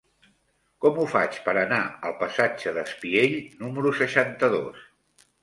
Com ho faig per anar al passatge d'Espiell número seixanta-dos?